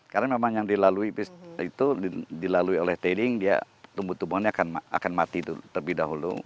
karena memang yang dilalui itu dilalui oleh tailing dia tumbuh tumbuhannya akan mati dulu terlebih dahulu